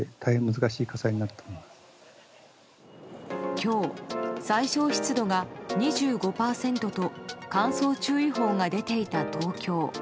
今日、最小湿度が２５％と乾燥注意報が出ていた東京。